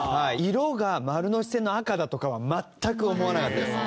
色が、丸ノ内線の赤だとかは全く思わなかったです。